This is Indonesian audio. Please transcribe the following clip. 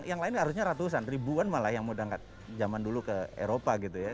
yang lain harusnya ratusan ribuan malah yang mau berangkat zaman dulu ke eropa gitu ya